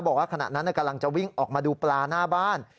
ขณะนั้นกำลังจะวิ่งออกมาดูปลาหน้าบ้าน